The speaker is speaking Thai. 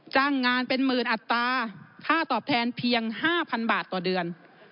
จ้างงานเป็นหมื่นอัตราค่าตอบแทนเพียง๕๐๐๐บาทต่อเดือน